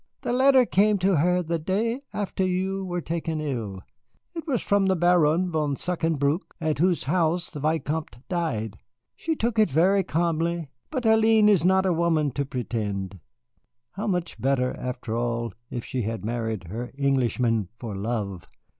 "The letter came to her the day after you were taken ill. It was from the Baron von Seckenbrück, at whose house the Vicomte died. She took it very calmly, for Hélène is not a woman to pretend. How much better, after all, if she had married her Englishman for love!